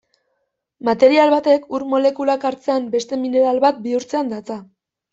Material batek ur molekulak hartzean, beste mineral bat bihurtzean datza.